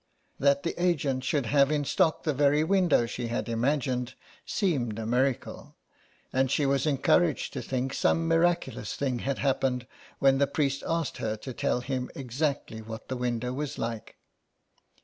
That the agent should have in stock the very window she had imagined seemed a miracle, and she was encouraged to think some miraculous thing had happened when the priest asked her to tell him exactly what her window was like.